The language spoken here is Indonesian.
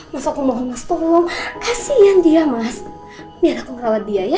mas mas aku mohon mas tolong kasian dia mas biar aku ngerawat dia ya